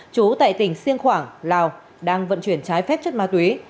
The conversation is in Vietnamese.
chú tại tỉnh siêng khoảng lào đang vận chuyển trái phép chất ma túy